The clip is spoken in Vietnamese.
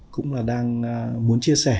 cũng là đang muốn chia sẻ